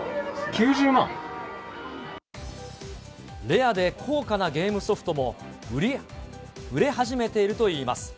レアで高価なゲームソフトも売れ始めているといいます。